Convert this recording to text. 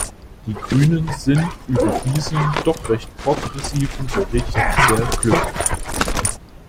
Die Grünen sind über diesen doch recht progressiven Bericht sehr glücklich.